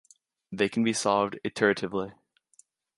They can be solved iteratively.